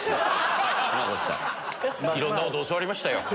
いろんなこと教わりましたよ。